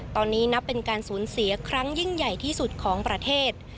ตอนนี้นับเป็นการสูญเสียครั้งยิ่งใหญ่ที่สุดของประเทศ